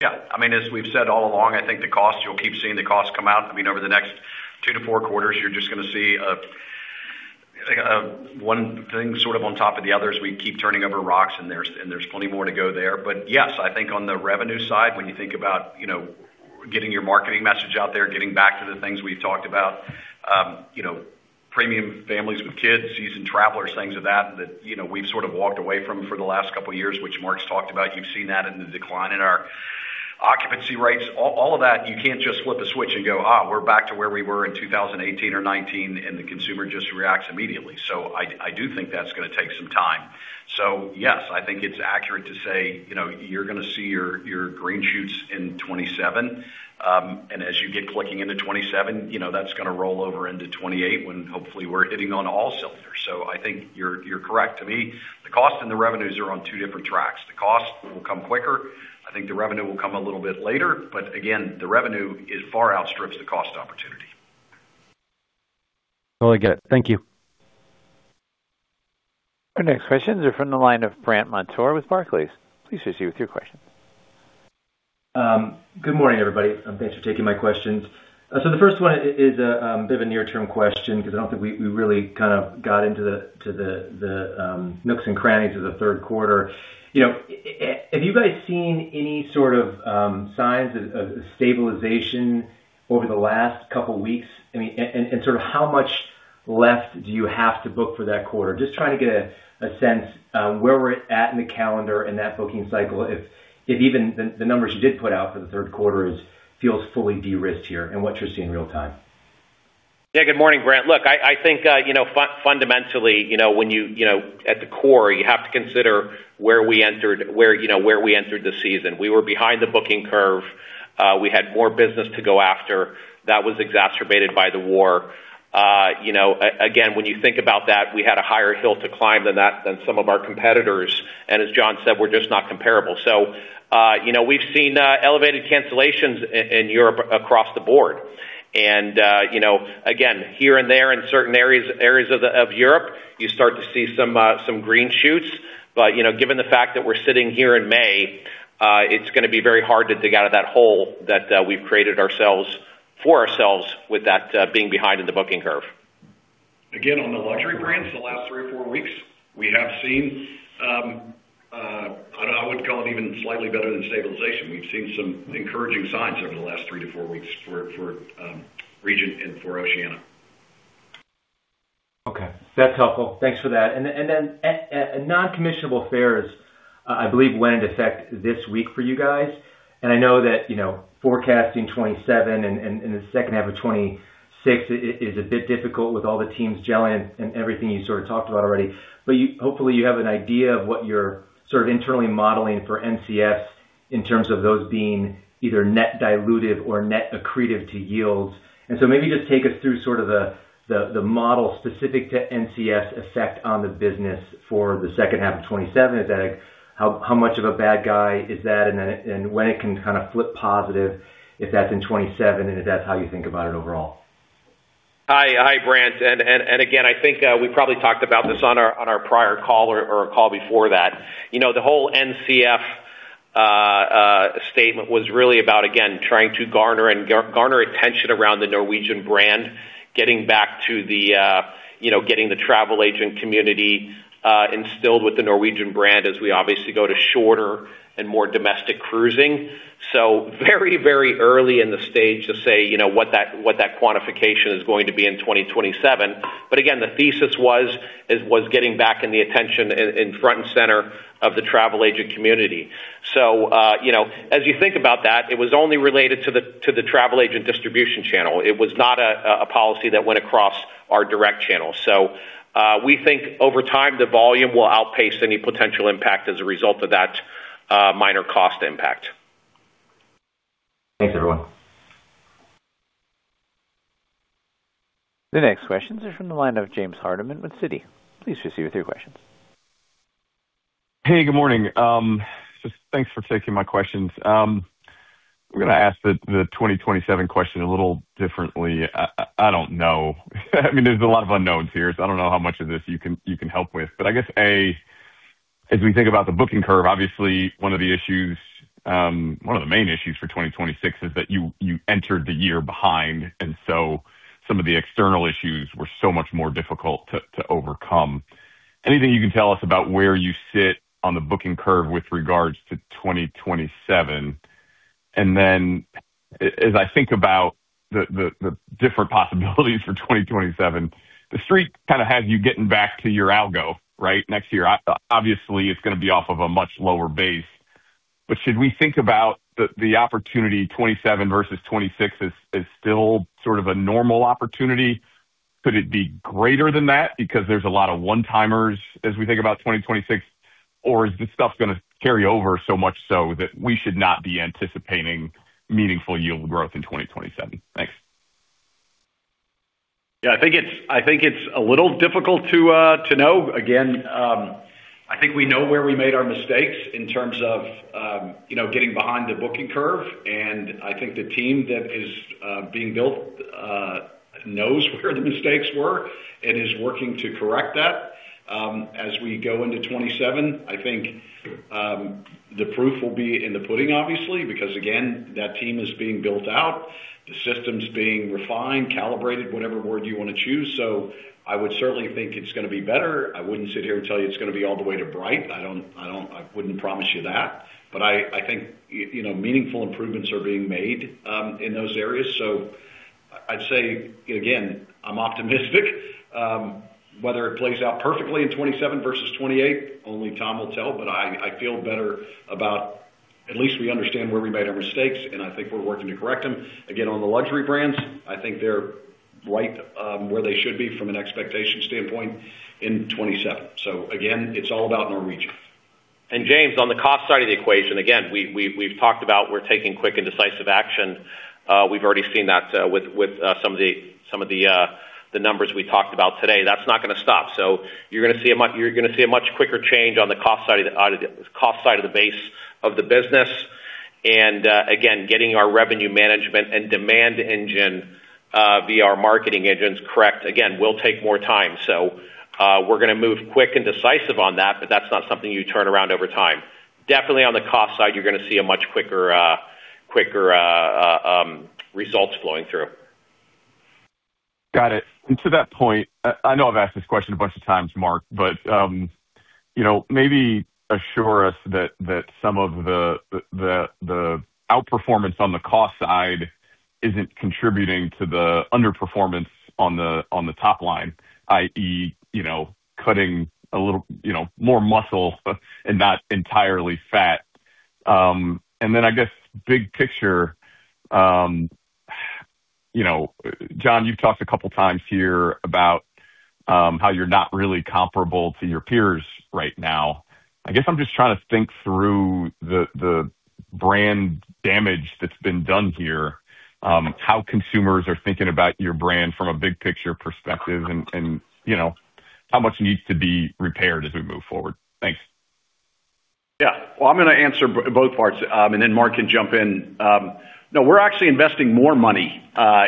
Yeah. I mean, as we've said all along, I think the cost, you'll keep seeing the cost come out. I mean, over the next two to four quarters, you're just gonna see a one thing sort of on top of the other as we keep turning over rocks, and there's plenty more to go there. Yes, I think on the revenue side, when you think about, you know, getting your marketing message out there, getting back to the things we've talked about, you know, premium families with kids, season travelers, things of that, you know, we've sort of walked away from for the last couple of years, which Mark's talked about. You've seen that in the decline in our occupancy rates. All of that, you can't just flip a switch and go, "We're back to where we were in 2018 or 2019," and the consumer just reacts immediately. I do think that's gonna take some time. Yes, I think it's accurate to say, you know, you're gonna see your green shoots in 2027. As you get clicking into 2027, you know, that's gonna roll over into 2028 when hopefully we're hitting on all cylinders. I think you're correct. To me, the cost and the revenues are on two different tracks. The cost will come quicker. I think the revenue will come a little bit later. Again, the revenue is far outstrips the cost opportunity. Totally get it. Thank you. Our next question is from the line of Brandt Montour with Barclays. Please proceed with your question. Good morning, everybody. Thanks for taking my questions. The first one is a bit of a near-term question because I don't think we really kind of got into the nooks and crannies of the third quarter. You know, have you guys seen any sort of signs of stabilization over the last two weeks? I mean, and sort of how much left do you have to book for that quarter? Just trying to get a sense of where we're at in the calendar in that booking cycle, if even the numbers you did put out for the third quarter feels fully de-risked here and what you're seeing real-time. Good morning, Brandt. Look, I think, you know, fundamentally, you know, when you know, at the core, you have to consider where we entered, you know, where we entered the season. We were behind the booking curve. We had more business to go after. That was exacerbated by the war. You know, again, when you think about that, we had a higher hill to climb than some of our competitors. As John said, we're just not comparable. You know, we've seen elevated cancellations in Europe across the board. You know, again, here and there in certain areas of Europe, you start to see some green shoots. You know, given the fact that we're sitting here in May, it's gonna be very hard to dig out of that hole that we've created ourselves for ourselves with that being behind in the booking curve. Again, on the luxury brands, the last three or four weeks, we have seen, I don't know, I would call it even slightly better than stabilization. We've seen some encouraging signs over the last three to four weeks for Regent and for Oceania. Okay. That's helpful. Thanks for that. Then non-commissionable fares, I believe went into effect this week for you guys. I know that, you know, forecasting 2027 and in the second half of 2026 is a bit difficult with all the teams gelling and everything you sort of talked about already. Hopefully, you have an idea of what you're sort of internally modeling for NCF in terms of those being either net dilutive or net accretive to yields. Maybe just take us through sort of the model specific to NCF effect on the business for the second half of 2027. How much of a bad guy is that? When it can kind of flip positive, if that's in 2027, and if that's how you think about it overall. Hi, Brandt. Again, I think we probably talked about this on our prior call or a call before that. You know, the whole NCF statement was really about, again, trying to garner attention around the Norwegian brand, getting back to the, you know, getting the travel agent community instilled with the Norwegian brand as we obviously go to shorter and more domestic cruising. Very early in the stage to say, you know, what that, what that quantification is going to be in 2027. Again, the thesis was getting back in the attention in front and center of the travel agent community. You know, as you think about that, it was only related to the travel agent distribution channel. It was not a policy that went across our direct channel. We think over time, the volume will outpace any potential impact as a result of that minor cost impact. Thanks, everyone. The next question is from the line of James Hardiman with Citi. Please proceed with your questions. Hey, good morning. Just thanks for taking my questions. I'm gonna ask the 2027 question a little differently. I, I don't know. I mean, there's a lot of unknowns here, so I don't know how much of this you can, you can help with. I guess, A, as we think about the booking curve, obviously one of the issues, one of the main issues for 2026 is that you entered the year behind, and so some of the external issues were so much more difficult to overcome. Anything you can tell us about where you sit on the booking curve with regards to 2027? As I think about the different possibilities for 2027, The Street kind of has you getting back to your algo, right, next year. Obviously, it's gonna be off of a much lower base. Should we think about the opportunity 2027 versus 2026 as still sort of a normal opportunity? Could it be greater than that? There's a lot of one-timers as we think about 2026. Is this stuff gonna carry over so much so that we should not be anticipating meaningful yield growth in 2027? Thanks. Yeah, I think it's a little difficult to know. Again, I think we know where we made our mistakes in terms of, you know, getting behind the booking curve. I think the team that is being built knows where the mistakes were and is working to correct that. As we go into 2027, I think the proof will be in the pudding, obviously, because again, that team is being built out, the system's being refined, calibrated, whatever word you wanna choose. I would certainly think it's gonna be better. I wouldn't sit here and tell you it's gonna be all the way to bright. I wouldn't promise you that. I think, you know, meaningful improvements are being made in those areas. I'd say again, I'm optimistic. Whether it plays out perfectly in 2027 versus 2028, only time will tell. I feel better about at least we understand where we made our mistakes, and I think we're working to correct them. Again, on the luxury brands, I think they're right, where they should be from an expectation standpoint in 2027. Again, it's all about Norwegian. James, on the cost side of the equation, again, we've talked about we're taking quick and decisive action. We've already seen that with some of the numbers we talked about today. That's not gonna stop. You're gonna see a much quicker change on the cost side of the base of the business. Again, getting our revenue management and demand engine via our marketing engines correct, again, will take more time. We're gonna move quick and decisive on that, but that's not something you turn around over time. Definitely on the cost side, you're gonna see a much quicker results flowing through. To that point, I know I've asked this question a bunch of times, Mark, but, you know, maybe assure us that some of the, the outperformance on the cost side isn't contributing to the underperformance on the, on the top line, i.e., you know, cutting a little, you know, more muscle and not entirely fat. Then I guess big picture, you know, John, you've talked a couple of times here about how you're not really comparable to your peers right now. I guess I'm just trying to think through the brand damage that's been done here, how consumers are thinking about your brand from a big picture perspective and, you know, how much needs to be repaired as we move forward. Thanks. Well, I'm gonna answer both parts, and then Mark can jump in. No, we're actually investing more money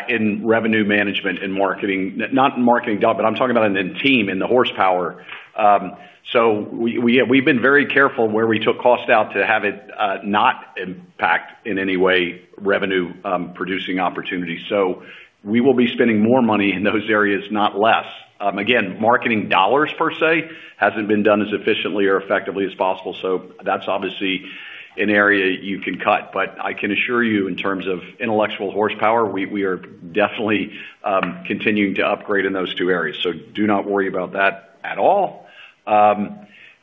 in revenue management and marketing. Not in marketing dollar, but I'm talking about in the team, in the horsepower. We've been very careful where we took cost out to have it not impact in any way revenue producing opportunities. We will be spending more money in those areas, not less. Again, marketing dollars per se hasn't been done as efficiently or effectively as possible, so that's obviously an area you can cut. I can assure you in terms of intellectual horsepower, we are definitely continuing to upgrade in those two areas. Do not worry about that at all.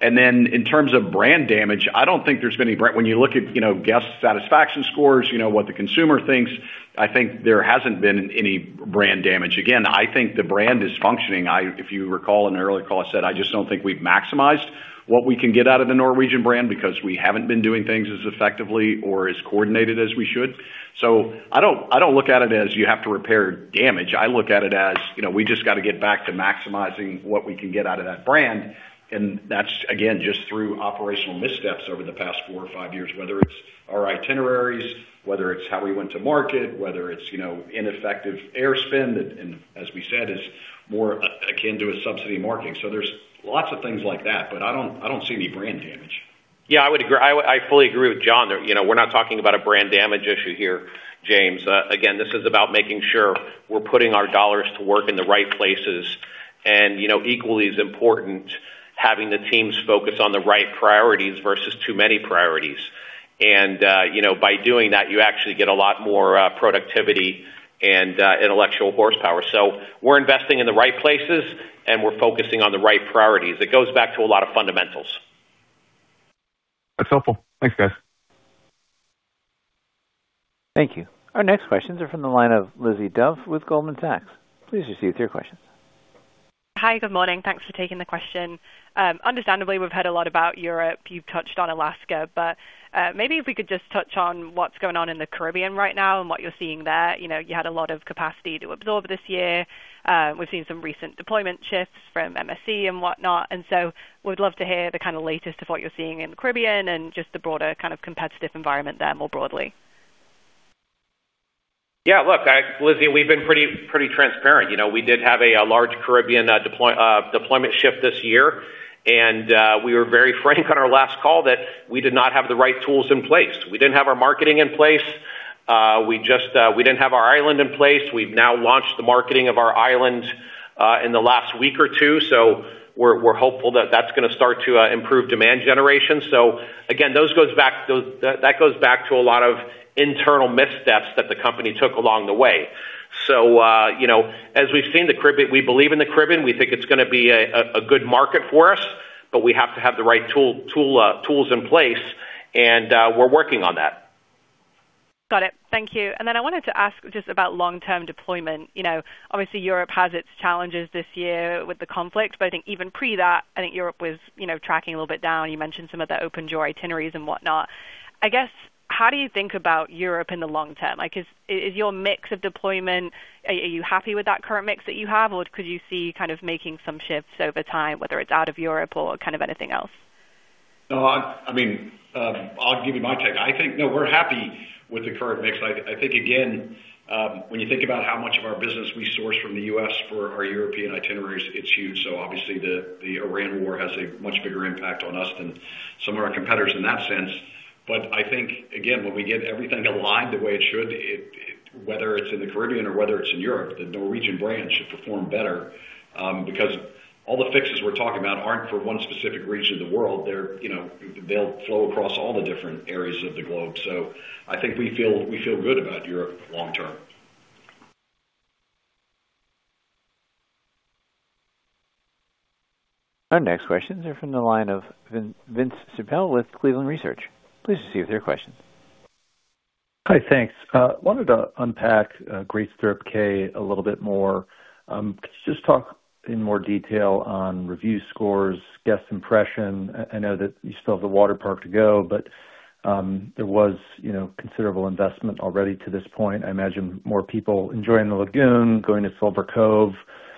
In terms of brand damage, I don't think there's been any. When you look at, you know, guest satisfaction scores, you know, what the consumer thinks, I think there hasn't been any brand damage. I think the brand is functioning. If you recall in an earlier call, I said, I just don't think we've maximized what we can get out of the Norwegian brand because we haven't been doing things as effectively or as coordinated as we should. I don't, I don't look at it as you have to repair damage. I look at it as, you know, we just got to get back to maximizing what we can get out of that brand. That's again, just through operational missteps over the past four or five years, whether it's our itineraries, whether it's how we went to market, whether it's, you know, ineffective air spend, and as we said, is more akin to a subsidy marketing. There's lots of things like that, but I don't see any brand damage. Yeah, I would agree. I fully agree with John there. You know, we're not talking about a brand damage issue here, James. Again, this is about making sure we're putting our dollars to work in the right places and, you know, equally as important, having the teams focus on the right priorities versus too many priorities. You know, by doing that, you actually get a lot more productivity and intellectual horsepower. We're investing in the right places, and we're focusing on the right priorities. It goes back to a lot of fundamentals. That's helpful. Thanks, guys. Thank you. Our next questions are from the line of Lizzie Dove with Goldman Sachs. Please proceed with your question. Hi, good morning. Thanks for taking the question. Understandably, we've heard a lot about Europe. You've touched on Alaska, but maybe if we could just touch on what's going on in the Caribbean right now and what you're seeing there. You know, you had a lot of capacity to absorb this year. We've seen some recent deployment shifts from MSC and whatnot. Would love to hear the kinda latest of what you're seeing in the Caribbean and just the broader kind of competitive environment there more broadly. Yeah. Look, Lizzie, we've been pretty transparent. You know, we did have a large Caribbean deployment shift this year, and we were very frank on our last call that we did not have the right tools in place. We didn't have our marketing in place. We just, we didn't have our island in place. We've now launched the marketing of our island in the last week or two, so we're hopeful that that's gonna start to improve demand generation. Again, that goes back to a lot of internal missteps that the company took along the way. You know, as we've seen the Caribbean, we believe in the Caribbean, we think it's gonna be a good market for us, but we have to have the right tool, tools in place, and we're working on that. Got it. Thank you. Then I wanted to ask just about long-term deployment. You know, obviously Europe has its challenges this year with the conflict, but I think even pre that, I think Europe was, you know, tracking a little bit down. You mentioned some of the Norwegian Joy itineraries and whatnot. I guess, how do you think about Europe in the long term? Like is your mix of deployment, are you happy with that current mix that you have, or could you see kind of making some shifts over time, whether it's out of Europe or kind of anything else? No, I mean, I'll give you my take. I think, no, we're happy with the current mix. I think, again, when you think about how much of our business we source from the U.S. for our European itineraries, it's huge. Obviously the Iran war has a much bigger impact on us than some of our competitors in that sense. I think, again, when we get everything aligned the way it should, whether it's in the Caribbean or whether it's in Europe, the Norwegian brand should perform better because all the fixes we're talking about aren't for one specific region of the world. They're, you know, they'll flow across all the different areas of the globe. I think we feel, we feel good about Europe long term. Our next questions are from the line of Vince Ciepiel with Cleveland Research. Please proceed with your questions. Hi. Thanks. I wanted to unpack Great Stirrup Cay a little bit more. Could you just talk in more detail on review scores, guest impression? I know that you still have the waterpark to go, but there was, you know, considerable investment already to this point. I imagine more people enjoying the lagoon, going to Silver Cove.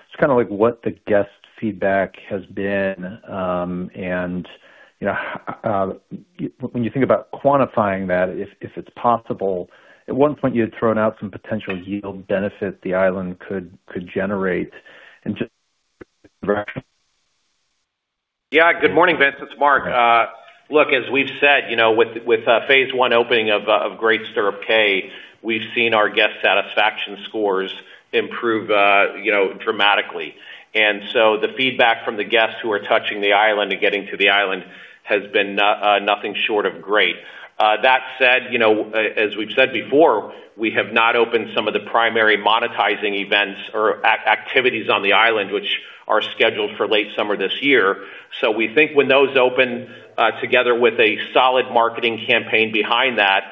Just kinda like what the guest feedback has been, and, you know, when you think about quantifying that, if it's possible. At one point, you had thrown out some potential yield benefit the island could generate. Yeah. Good morning, Vince. It's Mark. Look, as we've said, you know, with, phase one opening of Great Stirrup Cay, we've seen our guest satisfaction scores improve, you know, dramatically. The feedback from the guests who are touching the island and getting to the island has been nothing short of great. That said, you know, as we've said before, we have not opened some of the primary monetizing events or activities on the island, which are scheduled for late summer this year. We think when those open, together with a solid marketing campaign behind that,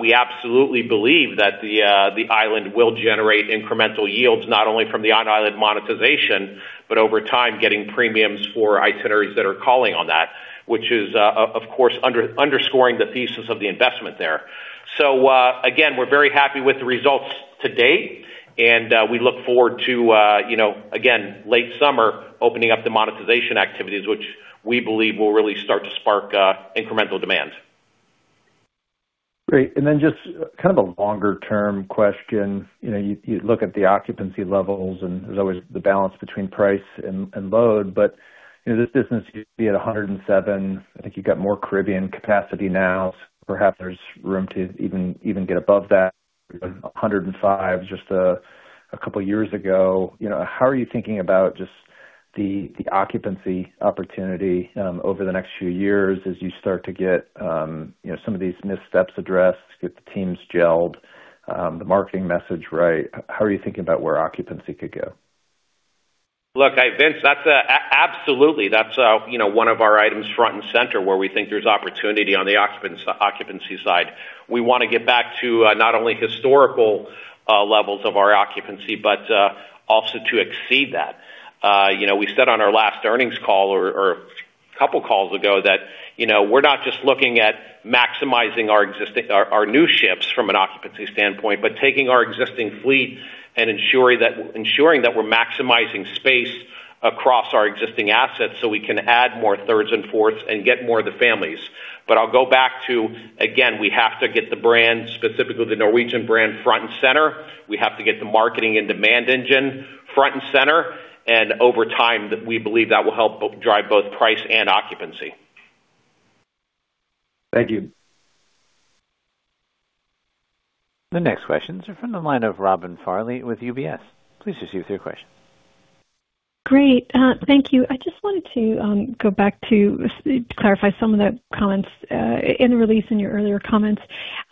we absolutely believe that the island will generate incremental yields, not only from the on-island monetization, but over time, getting premiums for itineraries that are calling on that, which is, of course, underscoring the thesis of the investment there. Again, we're very happy with the results to date, and, we look forward to, you know, again, late summer opening up the monetization activities, which we believe will really start to spark, incremental demand. Great. Then just kind of a longer-term question. You know, you look at the occupancy levels, and there's always the balance between price and load. You know, this business used to be at 107. I think you've got more Caribbean capacity now, perhaps there's room to even get above that, 105 just two years ago. You know, how are you thinking about just the occupancy opportunity over the next few years as you start to get, you know, some of these missteps addressed, get the teams gelled, the marketing message right? How are you thinking about where occupancy could go? Look, Vince, that's absolutely. That's, you know, one of our items front and center where we think there's opportunity on the occupancy side. We wanna get back to not only historical levels of our occupancy, but also to exceed that. You know, we said on our last earnings call a couple calls ago that, you know, we're not just looking at maximizing our new ships from an occupancy standpoint, but taking our existing fleet and ensuring that we're maximizing space across our existing assets so we can add more thirds and fourths and get more of the families. I'll go back to, again, we have to get the brand, specifically the Norwegian brand, front and center. We have to get the marketing and demand engine front and center. Over time, we believe that will help drive both price and occupancy. Thank you. The next questions are from the line of Robin Farley with UBS. Please proceed with your question. Great. Thank you. I just wanted to go back to clarify some of the comments in the release in your earlier comments.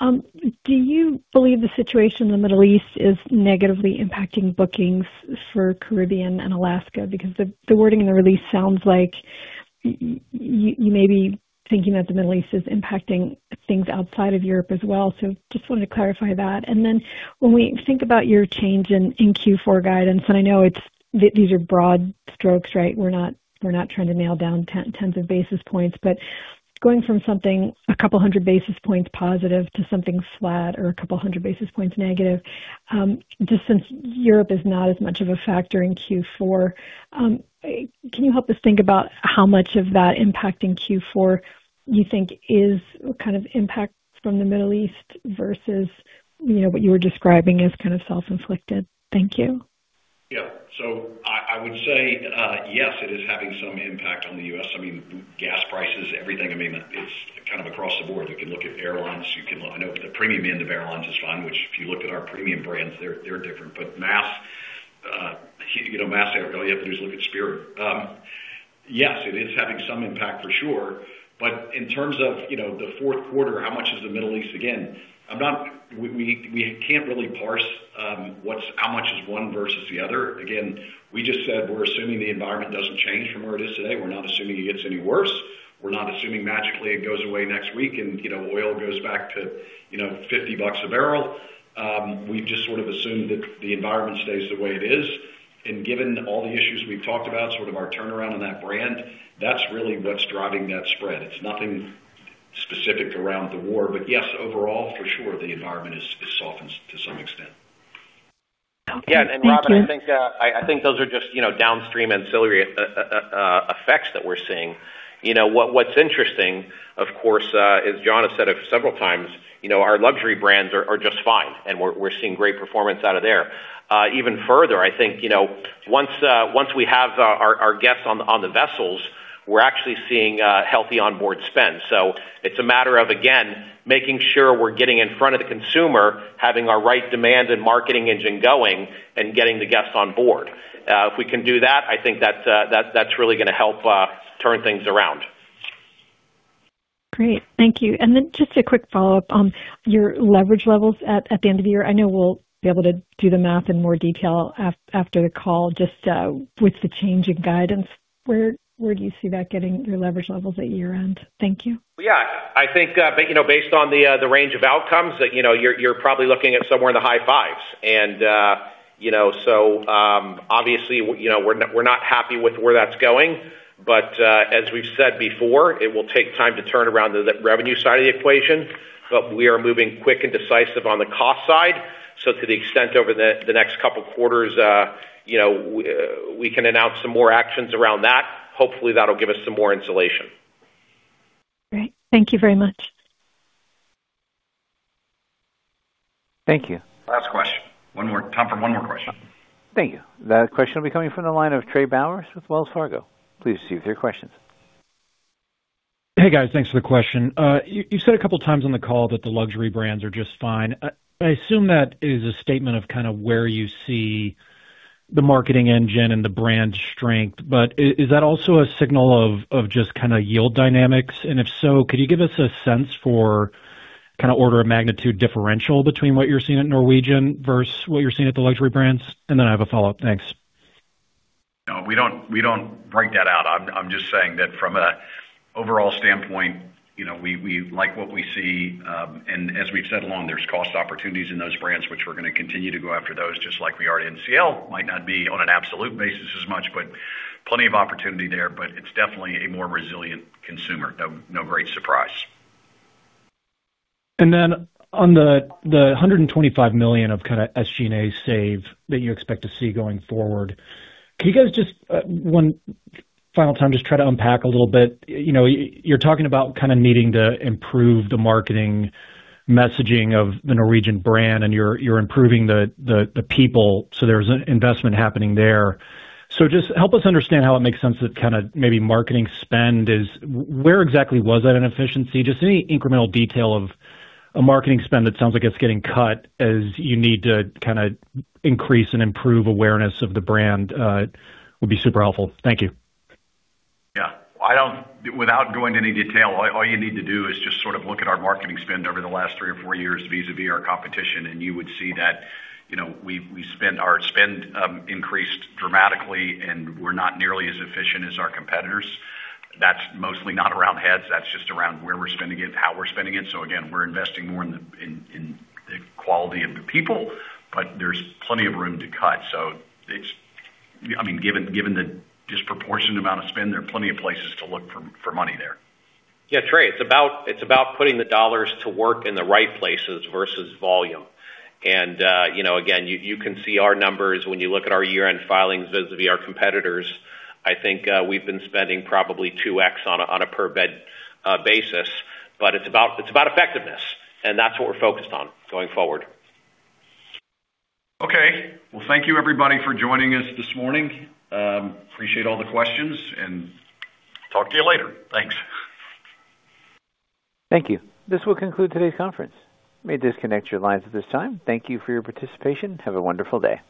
Do you believe the situation in the Middle East is negatively impacting bookings for Caribbean and Alaska? The wording in the release sounds like you may be thinking that the Middle East is impacting things outside of Europe as well. Just wanted to clarify that. When we think about your change in Q4 guidance, I know these are broad strokes, right? We're not trying to nail down 10s of basis points. Going from something 200 basis points positive to something flat or 200 basis points negative, just since Europe is not as much of a factor in Q4, can you help us think about how much of that impact in Q4 you think is kind of impact from the Middle East versus, you know, what you were describing as kind of self-inflicted? Thank you. I would say, yes, it is having some impact on the U.S. I mean, gas prices, everything. I mean, it's kind of across the board. You can look at airlines. I know the premium end of airlines is fine, which if you look at our premium brands, they're different. Mass, you know, mass airfare, all you have to do is look at Spirit. Yes, it is having some impact for sure. In terms of, you know, the fourth quarter, how much is the Middle East? Again, we can't really parse, how much is one versus the other. Again, we just said we're assuming the environment doesn't change from where it is today. We're not assuming it gets any worse. We're not assuming magically it goes away next week and, you know, oil goes back to, you know, 50 bucks a barrel. We've just sort of assumed that the environment stays the way it is. Given all the issues we've talked about, sort of our turnaround on that brand, that's really what's driving that spread. It's nothing specific around the war. Yes, overall, for sure, the environment is softened to some extent. Yeah. Robin, I think, I think those are just, you know, downstream ancillary effects that we're seeing. You know, what's interesting, of course, as John has said several times, you know, our luxury brands are just fine and we're seeing great performance out of there. Even further, I think, you know, once we have our guests on the vessels, we're actually seeing healthy onboard spend. It's a matter of, again, making sure we're getting in front of the consumer, having our right demand and marketing engine going, and getting the guests on board. If we can do that, I think that's really gonna help turn things around. Great. Thank you. Just a quick follow-up on your leverage levels at the end of the year. I know we'll be able to do the math in more detail after the call, just with the change in guidance, where do you see that getting your leverage levels at year-end? Thank you. I think, you know, based on the range of outcomes that, you know, you're probably looking at somewhere in the high fives, you know, obviously, we're not happy with where that's going. As we've said before, it will take time to turn around the revenue side of the equation. We are moving quick and decisive on the cost side. To the extent over the next couple quarters, you know, we can announce some more actions around that. Hopefully, that'll give us some more insulation. Great. Thank you very much. Thank you. Last question. One more. Time for one more question. Thank you. The question will be coming from the line of Trey Bowers with Wells Fargo. Please proceed with your questions. Hey, guys. Thanks for the question. You, you said a couple times on the call that the luxury brands are just fine. I assume that is a statement of kind of where you see the marketing engine and the brand strength, but is that also a signal of just kinda yield dynamics? If so, could you give us a sense for kinda order of magnitude differential between what you're seeing at Norwegian versus what you're seeing at the luxury brands? I have a follow-up. Thanks. No, we don't, we don't break that out. I'm just saying that from an overall standpoint, you know, we like what we see. As we've said along, there's cost opportunities in those brands, which we're going to continue to go after those just like we are at NCL. Might not be on an absolute basis as much, but plenty of opportunity there. It's definitely a more resilient consumer, no great surprise. On the $125 million of kinda SG&A save that you expect to see going forward, can you guys just one final time, just try to unpack a little bit? You know, you're talking about kind of needing to improve the marketing messaging of the Norwegian brand and you're improving the people, so there's an investment happening there. Just help us understand how it makes sense that kinda maybe marketing spend, where exactly was that inefficiency? Just any incremental detail of a marketing spend that sounds like it's getting cut as you need to kinda increase and improve awareness of the brand would be super helpful. Thank you. Yeah. Without going into any detail, all you need to do is just sort of look at our marketing spend over the last three or four years vis-à-vis our competition, you would see that, you know, we spend our spend increased dramatically, and we're not nearly as efficient as our competitors. That's mostly not around heads, that's just around where we're spending it, how we're spending it. Again, we're investing more in the quality of the people, but there's plenty of room to cut. It's, I mean, given the disproportionate amount of spend, there are plenty of places to look for money there. Yeah, Trey, it's about putting the dollars to work in the right places versus volume. You know, again, you can see our numbers when you look at our year-end filings vis-à-vis our competitors. I think we've been spending probably 2x on a per bed basis. It's about effectiveness, and that's what we're focused on going forward. Okay. Well, thank you everybody for joining us this morning. Appreciate all the questions and talk to you later. Thanks. Thank you. This will conclude today's conference. You may disconnect your lines at this time. Thank you for your participation. Have a wonderful day.